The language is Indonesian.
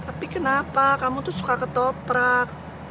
tapi kenapa kamu tuh suka ketoprak